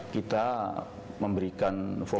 kita memberikan fokus